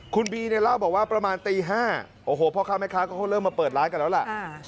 คุณบีเนี่ยเล่าบอกว่าประมาณตี๕โอ้โหพ่อค้าแม่ค้าก็เริ่มมาเปิดร้านกันแล้วล่ะ